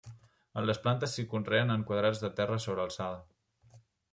Les plantes s'hi conreen en quadrats de terra sobrealçada.